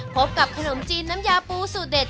พบกับขนมจีนน้ำยาปูสูตรเด็ด